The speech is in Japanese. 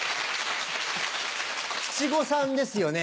七五三ですよね。